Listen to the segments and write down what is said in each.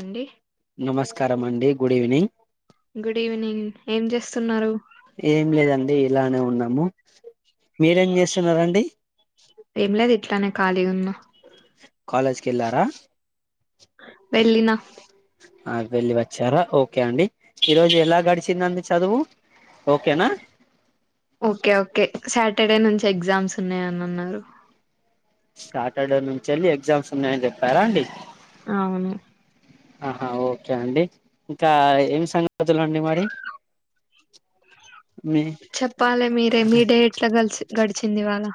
అండి నమస్కారం అండి. Good evening. గుడ్ ఈవెనింగ్ ఏం చేస్త స్తున్నారు. ఏం లేదండి ఇలానే ఉన్నా మో మీరేం చేస్తున్నారండి. ఏమ్ లేదు ఇట్లానే కాలిగున్న కాలేజ్కెళ్ళారా వెళ్ళిన ఆ వెళ్ళి వచ్చారా ఓకే అండి ఈరోజు ఎలా గడిచిందండి చదువు ఓకేనా ఓకే ఓకే సాటర్డే నుంచి ఎగ్జామ్స్ ఉన్నాయని అన్నారు. సాటర్డే నుంచి ఎళ్ళి ఎగ్జామ్స్ ఉన్నాయని చెప్పారా అండి. అవును. ఆహా ఓకే అండి ఇంకా ఏమి సంగతులు అండి మరి మీ చెప్పాలి మీరే మీ డే ఎట్లా కలిసి గడిచింది ఇవాళ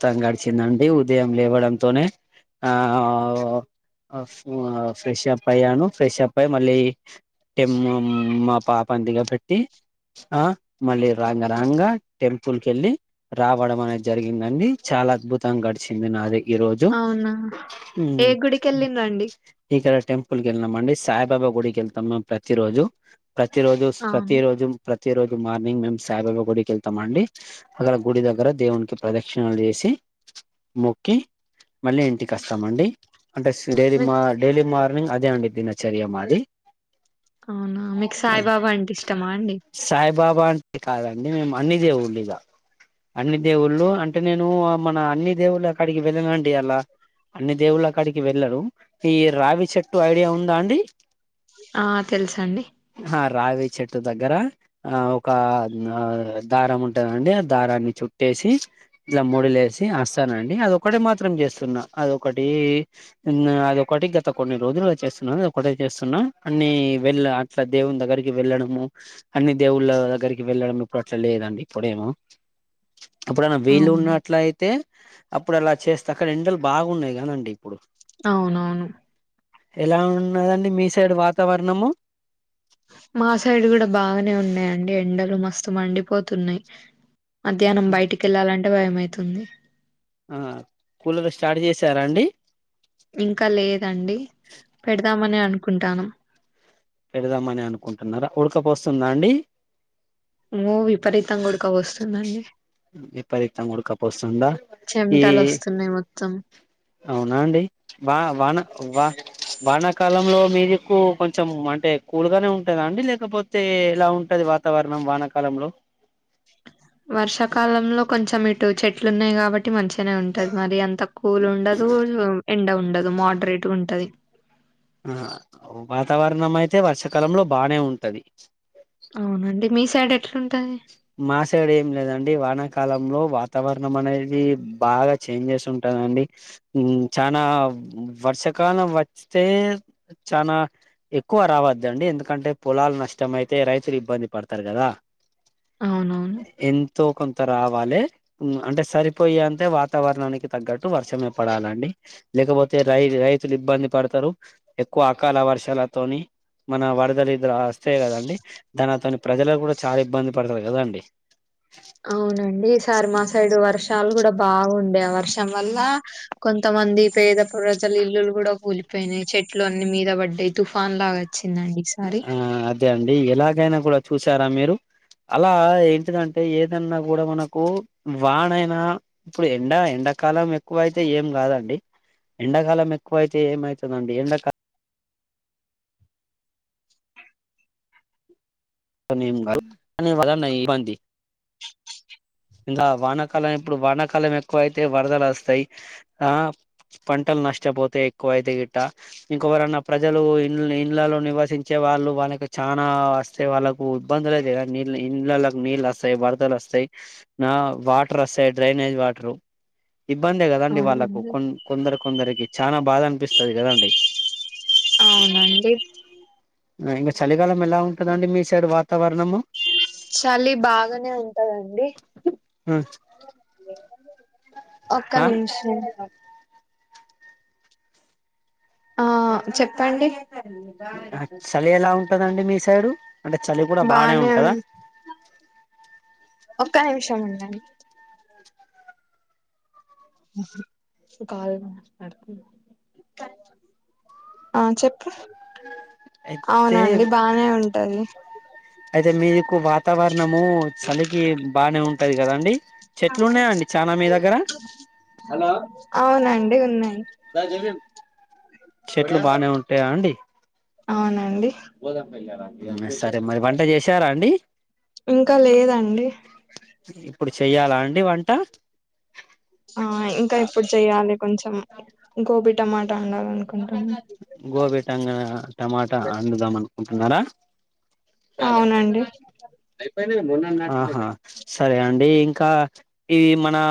మొత్తం గడిచిందండి ఉదయం లేవడంతోనే ఆ ఆ ఫ్రెష్ప్ అయ్యాను ఫ్రెష్ అప్ అయి మళ్ళీ టెమ్ మా పాపని దిగ పెట్టి ఆ మళ్ళీ రంగారంగా టెంపుల్ కి వెళ్ళి రావడం అనేది జరిగిందండి. చాలా అద్భుతంగా గడిచింది నాది ఈ రోజు అవునా ఊ ఏ గుడికి వెళ్ళిండ్రండి ఈక ఇ టెంపుల్ కెల్నాం అండి సా సాయిబాబా గుడికి వెళ్తాం మేము ప్రతిరోజు ప్రతి రోజు స్ ప్రతి అవును రోజు ప్రతి రోజు మార్నింగ్ మేము సాయిబాబా గుడికి వెళ్తామండి. అక్కడ గుడి దగ్గర దేవునికి ప్రదక్షిణలు చేసి మొక్కి మళ్ళీ ఇంటికి వస్తామండి. అంటే స్ డైలీ మీకు డైలీ మార్నింగ్ అద్ ఇదే అండి దినచర్య మాది అవునా మీకు సాయిబాబా అంటే ఇష్టమా అండి. సాయిబాబా అంటే కాదండి మేము అన్ని దేవుళ్ళు ఇగ అన్ని దేవుళ్ళు అంటే నేను మన అన్ని దేవుళ్ళ అక్కడికి వెళ్ళన అండి అలా అన్ని దేవుళ్ళ కాడికి వెళ్ళను ఈ రావి చెట్టు ఐడియా ఉందా అండి. ఆ తెలుసండి. రావే చెట్టు దగ్గర ఆ ఒక దారం ఉంటందండి ఆ దారాన్ని చుట్టేసి ఇలా ముడులేసి వస్తానండి అదొకటిే మాత్రం చేస్తున్నా అదొకటి అదోకటి గత కొన్ని రోజులు చేస్తున్నా అదొ ఒకటే చేస్తున్నా అన్ని వెళ్ళ అట్లా దేవుని దగ్గరికి వెళ్ళడము. అన్ని దేవుళ్ళ దగ్గరికి వెళ్ళడం ఇప్పుడు అట్లా లేదండి. ఇప్పుడేమో ఎప్పుడన్న అవును వీలున్నట్లయితే అప్పుడు అలా చేస్తే అక్కడ ఎండలు బాగున్నాయి కదండి ఇప్పుడు అవునవును. ఎలా ఉన్నదండి మీ సైడ్ వాతావరణము. మా సైడ్ కూడా బాగానే ఉన్నాయండి ఎండలు మస్తు మండిపోతున్నాయి. మధ్యాహ్నం బయటికెళ్ళాలంటే భయమైతుంది ఆ కూలర్ స్టార్ట్ చేసారా అండి ఇంకా లేదండి పెడదామని అనుకుంటాను పెడదామని అనుకుంటున్నారా ఉడకపోస్తుందా అండి మో విపరీతంగా ఉడ్ విపరీతంగా ఉడకపో వస్తుందా ఈ చెమటలు వస్తున్నాయి మొత్తం అవునా అండి వా వాన వా వానాకాలంలో మీదిక్కు కొంచెం అంటే కూల్గానే ఉంటందా అండి లేకపోతే ఎలా ఉంటది వాతావరణం వానాకాలంలో వర్షాకాలంలో కొంచెం ఇటు చెట్లు ఉన్నాయి కాబట్టి మంచిగానే ఉంటది మరి అంత కూల్ ఉండదు ఎండ ఉండదు ఉండదు మోడరేట్గా ఉంటది ఆ వాతావరణం అయితే వర్షాకాలంలో బానే ఉంటది అవునండి మీ సైడ్ ఎట్లుంటది మా సైడ్ ఏం లేదండి వాన కాలంలో వాతావరణం అనేది బాగా చేంజెస్ ఉంటుందండి చనా వర్షాకాలం వస్తే చానా ఎక్కువ రావద్దండి ఎందుకంటే పొలాలు నష్టం అయితే రైతులు ఇబ్బంది పడతారు కదా అవునవును ఎంతో కొంత రావాలే అంటే సరిపోయి అంటే వాతావరణానికి తగ్గట్టు వర్షమే పడాలండి లేకపోతే రై రైతులు ఇబ్బంది పడతారు ఎక్కువ అకాల వర్షాలతోని మన వరదలు ఇదురు వస్తేయి కదండి దానితోని ప్రజలకు కూడా చాలా ఇబ్బంది పడతారు కదా అండి అవునండి ఈసారి మా సైడు వర్షాలు కూడా బాగుండే వర్షం వల్ల కొంతమంది పేద ప్రజలు ఇల్లులు కూడా కూలిపోయినాయి చెట్లు అన్ని మీద పడ్డాయి తుఫాన్ లాగాచ్చ ఆ అదే అండి ఎలాగైనా కూడా చూసారా మీరు అలా ఏంటిదంటే ఏదన్నా కూడా మనకు వానైనా ఇప్పుడు ఎండ ఎండాకాలం ఎక్కువైతే ఏం కాదండి ఎండాకాలం ఎక్కువైతే ఏమవుతుందండి ఎండకాలం నీ వలన ఇబ్బంది ఇంకా వానాకాలం ఇప్పుడు వానాకాలం ఎక్కువ అయితే వరదలు వస్తాయి ఆ పంటలు నష్టపోతాయి ఎక్కువైతే గిట్టా ఇంకొవరన్నా ప్రజలు ఇ ఇళ్ళలో నివసించే వాళ్ళు వాళ్ళకి చానా వస్తాయి వాళ్ళకు ఇబ్బందులు అయిత కదా నీళ్ళ ఇళ్ళకి నీళ్ళు వస్తాయి వరదలు వస్తాయి నా వాటర్ వస్తాయి డ్రైనేజ్ వాటరు ఇబ్బంది కదండి వాళ్ళలకు అవునండి కొ కొందరు కొందరికి చానా బాధ అనిపిస్తుంది కదండి అవునండి ఇంకా చలికాలం ఎలా ఉంటుందండి మీ సైడ్ వాతావరణం చలి బాగానే ఉంటదండి ఒక్క ఆ నిమిషం ఆ చెప్పండి చలి ఎలా ఉన్ కదండి మీసైడు అంటే చలి కూడా బానే ఉంటందా ఒక్క నిమిషం ఉండడి ఆ చెప్పు అయితే అవునండి బానే ఉంటది జ మీ వాతావరణము చలికి బానే ఉం ఉంటది కదండీ అవునండి ఉన్నాయ్ దా జై భీమ్ చెట్లు బానే ఉంటాయా అండి అండి సరే మరి వంట చేశారా అండి ఇంకా లేదండి ఇప్పుడు చెయ్యాలా అండి వంట ఆ ఇంకా ఇప్పుడు చేయాలి కొంచం గోబీ టమాటా వండాలనుకున్ గోబి టంగన్ టమాటా అండుదామను కుంటున్నరా అవునండి ఆహా సరే అండీ ఇంకా ఇది మనా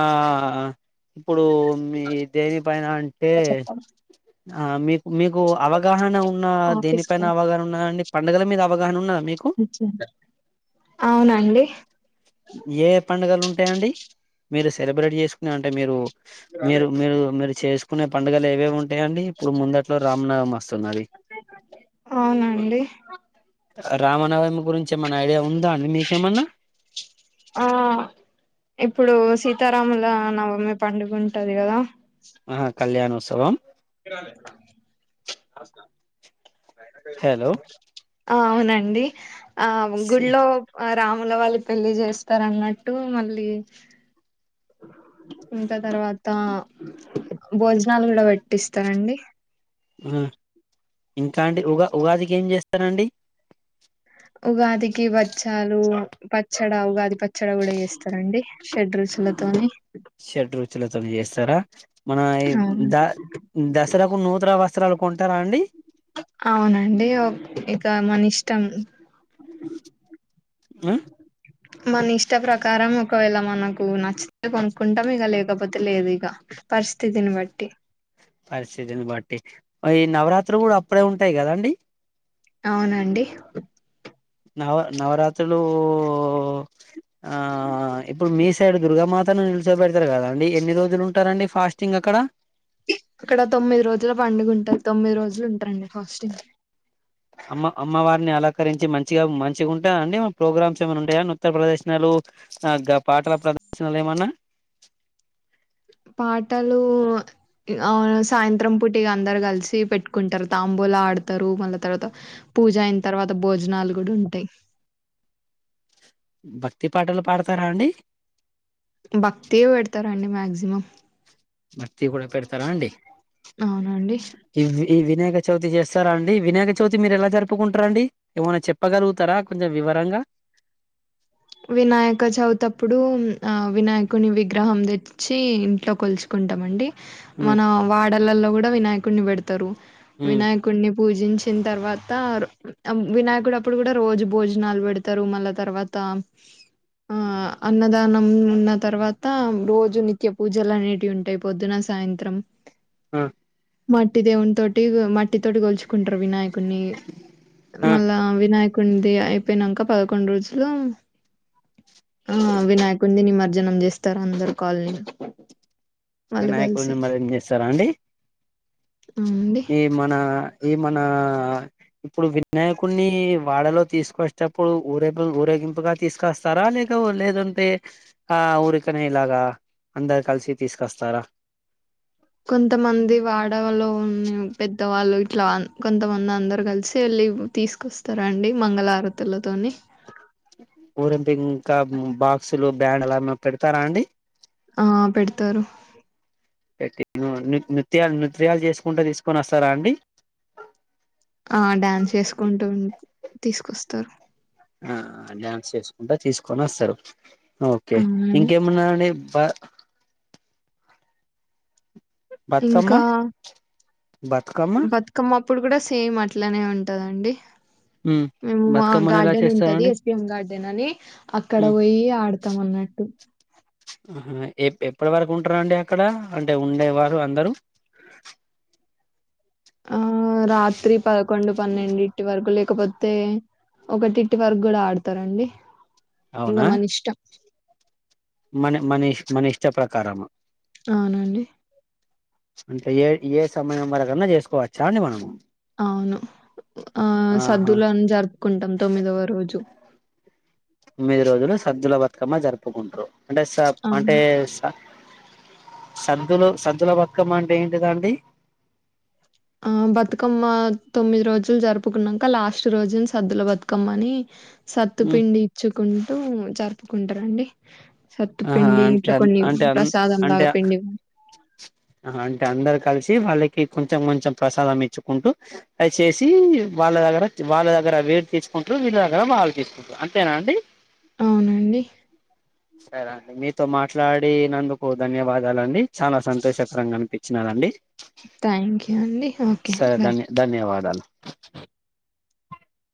ఇప్పుడు మీ దేనిపైన అంటే చెప్ప ఆ మీక్ మీకు అవగాహన ఉన్నా ఆఫీస్ దేనిపైన అవగాహన ఉన్నదండి పండగల మీద అవగాహన ఉన్నదా మీకు ఆ ఏ పండుగలు ఉంటాయండి మీరు సెలబ్రేట్ చేసుకుని అంటే మీరు మీరు మీరు మీరు చేస్ కునే పండగలు ఏవేవ్ ఉన్ ఉంటాయ్ అండి ఇప్పుడు ముంగట్లో రామ్ నవమి వస్తున్నది అవునండి రామనవమి గురించి ఏమన్న ఐడియా ఉందా అండి మీకేమన్నా ఆ ఇప్ ఇప్పుడు సీతారాముల నవమి పండుగ ఉంటది కదా ఆ కళ్యాణోత్సవం ాల హలో ఆ అవునండి ఆ గుళ్ళో అ రాముల వాళ్ళి పెళ్లి చేస్తారన్నట్టు మళ్ళీ ఇంకా తర్వాత తా భోజనాలు గుడా పెట్టిస్తారండి హుమ్ ఇంకా అండి ఉగ ఉగాదికి ఏం చేస్తారండి ఉగాదికి బచ్చాలు పచ్చడా ఉగాది పచ్చడా కూడా చేస్తారండి షడ్రుచులతోని షడ్ రుచులతోని చేస్తారా మన అవును ద దసరాకు నూత రా వస్త వస్త్రాలు కొంటారా అండి అవునండి ఇక మన ఇష్టం ఆ మన ఇష్ట ప్రకారం ఒకవేళ మనకు నాకు నచ్చితే కొనుక్కుంటాం ఇగ లేకపోతే లేదు ఇగ పరిస్థితిని బట్టి ఐ నవరాత్రి కూడా అప్పుడే ఉంటాయి కదాండి అవునండి నవ నవరాత్రులు ఆ ఇప్పుడు మీ సైడ్ దుర్గామాతను నిలిచో పెెడతారు కదా అండి ఎన్ని రోజులు ఉంటారండి ఫాస్టింగ్ అక్కడ అక్కడ తొమ్మిది రోజుల పండుగ ఉంటారు తొమ్మిది రోజులు ఉంటారండి ఫాస్టింగ్ అమ్మ అమ్మవారిని అలంకరించి మంచిగా మంచిగా ఉంటా అండి ప్రోగ్రామ్స్ ఏమైనా ఉంటాయా ఉత్తర ప్రదర్శనలు ఆ పాటల ప్రదర్శనలు ఏమన్నా పాటలు ఆ సాయంత్రం పూట ఇగ అందరు కలిసి పెట్టుకుంటారు తాంబూలా ఆడతారు మళ్ళా తర్వాత పూజ అయిన తర్వాత భోజనాలు కూడా ఉంటాయి భక్తి పాటలు పాడతారా అండి భక్తివే పెడతారండి మాక్సిమం భక్తివి కూడా పెడతారా అండి అవునండి ఈ ఈ వినాయక చవితి చేస్తారా అండి వినాయక చవితి మీరు ఎలా జరుపుకుంటారండి ఏమైనా చెప్పగలుగుతారా కొంచెం వివరంగా వినాయక చవివుతప్పుడు ఆ వినాయకుని విగ్రహం తెచ్చి ఇంట్లో కొలుచుకుంటాం అండి ఉమ్ మన వాడలల్లో కూడా వియకుడిని వెడు తరు ఉమ్ వినాయకుడిని పూజించిన తర్వాత వినాయకుడు అప్పుడు కూడా రోజు భోజనాలు పెడతారు మళ్ళా తర్వాత ఆ అన్నదానం ఉన్న తర్వాత రోజు నిత్య పూజలు అనేటివి ఉంటాయి పొద్దున సాయంత్రం ఆ మట్టి దేవుని తోటి మట్టి తోటి గోల్చుకుంటారు వినాయక్ కున్ని ఆ మళ్ళా వినాయక కొంది అయిపోయినాక పదకొండు రోజులు ఆ వినాయకుండి నిమజ్జనం చేస్తారు అందరు కాల్ని వినాయకుడి ని మదం చేస్తారా అండి అండి ఈ మన ఈ మన ఇప్పుడు వినాయకుడిని వాడలో తీసుకొచ్చేటప్పుడు ఊరే ఊరేగింపుగా తీసుకొస్తారా లేక లేదంటే ఆ ఊరికనే ఇలాగా అందరు కలిసి తీసుకొస్తారా కొంతమంది వాడలో ఉ పెద్దవాళ్ళు ఇట్లా కొంతమంది అందరు కలిసి వెళ్ళి తీసుకొస్తారండి మంగళారతులతోని ఓలింపి ఇంకా బాక్సులు బ్యాండడ్లు ఏమ పెడతారా అండి ఆ పెడతారు పెట్టి నృత్యాలు నృత్యాలు చేసుకుంటే తీసుకొని వస్తారా అండి ఆ డ్యాన్స్ చేసుకుంటూ తీసుకొస్తారు ఆ డ్యాన్స్ చేసుకుంటా తీసుకొని వస్తరు ఓకే అవునండి ఇంకేమన్నా అండి బా బతుకమ్మ ఇంకా బతుకమ్మ బతుకమ్మ అప్పుడు గూడా సేమ్ అట్లనే ఉం టదండి మేము మా బతుకమ్మని ఎలా గార్డెన్ ఉంటది, చేస్తారండి ఎస్పిఎం గార్డెన్ అని అక్కడ ఉ ఒయి ఆడతం అన్నట్టు. ఆహా, ఎ ఎప్పటి వరకు ఉంట్రండి అక్కడ అంటే ఉండేవారు అందరూ. ఆ, రాత్రి ప కొండు పన్నెండిటి వరకు లెక్ కపొత్తే ఒకటి ఇటి వరకు గూడా ఆడతరండి ఇంగ అవునా మనిష్టం మన మనష్ మన ఇష్ట ప్రకారమ. అవునండి అంటే ఏ ఏ సమయం వరకన్నా జేసుకోవచ్చా అండి మనము అవును ఆ ఆహా సద్దులన్ జరుపుకుంటం తొమ్మిదవ రోజు ఇమ్మిది రోజులు సద్జుల బతుకమ్మ జరుపుకుంట్రు అంటే సాబ్ ఆ అంటే స సద్దులు సద్దుల బతుకమ్మ అంటే ఏంటిదండి. ఆ బతుకమ్మ తొమ్మిది రోజులు జరుపుకున్నంక లాస్ట్ రోజుని సద్దుల బతుకమ్మ అని హ్మ్ సత్తుపిండి ఇచ్చుకుని టూ జరుపుకుంటరండి ఆహా అంటే అం అంటే అం అంటే లాగా పిండి ఆహా అంటే అందరు కలిసి తి వాళ్ళకి కొంచెం కొంచెం ప్రసాదం ఇచ్చుకుంటూ, అది చేేసి వాళ్ళ దగర వాళ్ళ దగర రేట్ తీసుకుంటూ వీళ్ళ దగ్గర వాలు తీసుకుట్రు అంతేనా అండి. అవునండి. సరే అండి మీతో మాట్లాడీనందుకు ధన్యవాదాలండి, చానా సంతోషకరంగా అనిపించినాదండి థ్యాంక్ యూ అండి, ఓకే బాయ్. ధన్య [unintelligible]